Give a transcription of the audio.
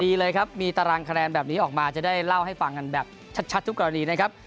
ดีเลยครับมีตารางคะแนนแบบนี้ออกมาจะได้เล่าให้ฟังกันแบบชัดทุกกรณีนะครับ